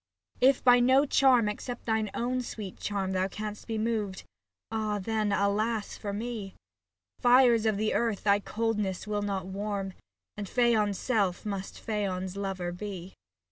If by no charm except thine own sweet charm Thou can'st be moved, ah then, alas, for me ! Fires of the earth thy coldness will not warm. And Phaon's self must Phaon's lover be.